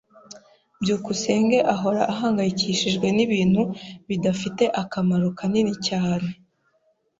byukusenge ahora ahangayikishijwe nibintu bidafite akamaro kanini cyane.